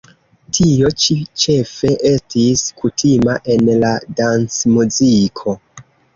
Tio ĉi ĉefe estis kutima en la dancmuziko.